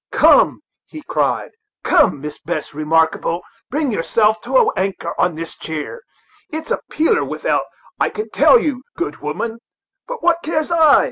"Come," he cried, "come, Mistress Remarkable, bring yourself to an anchor on this chair. It's a peeler without, I can tell you, good woman; but what cares I?